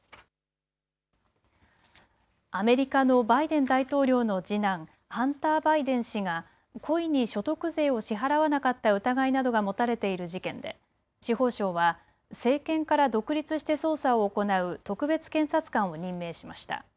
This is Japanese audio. アメリカのバイデン大統領の次男、ハンター・バイデン氏が故意に所得税を支払わなかった疑いなどが持たれている事件で司法省は政権から独立して捜査を行う特別検察官を任命しました。